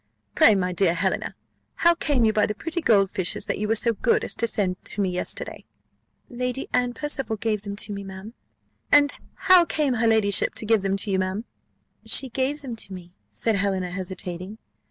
Pray, my dear Helena, how came you by the pretty gold fishes that you were so good as to send to me yesterday?" "Lady Anne Percival gave them to me, ma'am." "And how came her ladyship to give them to you, ma'am?" "She gave them to me," said Helena, hesitating.